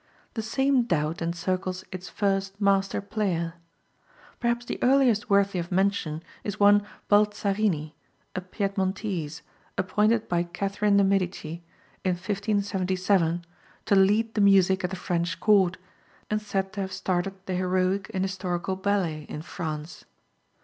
The same doubt encircles its first master player. Perhaps the earliest worthy of mention is one Baltzarini, a Piedmontese, appointed by Catherine de Medici, in 1577, to lead the music at the French court, and said to have started the heroic and historical ballet in France.